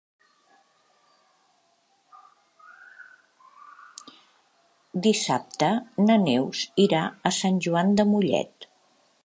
Dissabte na Neus irà a Sant Joan de Mollet.